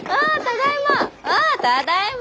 ああただいま！